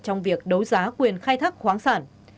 trong việc đấu giá quyền khai thác khoáng sản